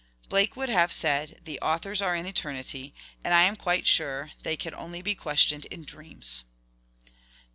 Blake would have said * the authors are in eternity, ' and I am quite sure they can only be questioned in dreams.